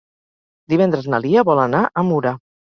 Divendres na Lia vol anar a Mura.